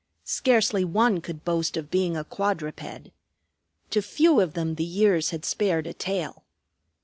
Scarcely one could boast of being a quadruped. To few of them the years had spared a tail.